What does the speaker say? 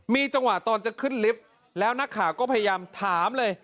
มีจังหวะตอนจะขึ้นลิฟต์แล้วนักข่าวก็พยายามถามเลย